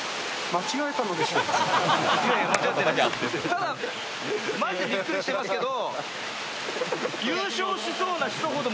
ただ、マジでびっくりしてたんですけど。